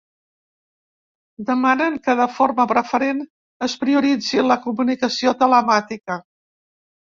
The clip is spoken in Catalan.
Demanen que de forma preferent és prioritzi la comunicació telemàtica.